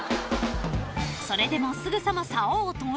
［それでもすぐさまさおを投入］